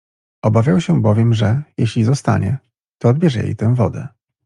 Obawiał się bowiem, że, jeśli zostanie, to odbierze jej tę wodę.